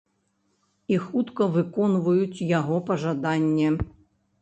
І хутка выконваюць яго пажаданне.